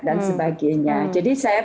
dan sebagainya jadi saya